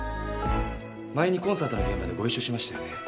前にコンサートの現場でご一緒しましたよね？